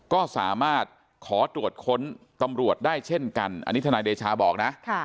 ก็สามารถขอตรวจค้นตำรวจได้เช่นกันอันนี้ทนายเดชาบอกนะ